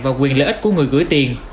và quyền lợi ích của người gửi tiền